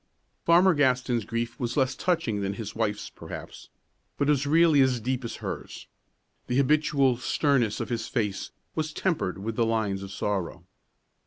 Farmer Gaston's grief was less touching than his wife's perhaps, but it was really as deep as hers. The habitual sternness of his face was tempered with the lines of sorrow.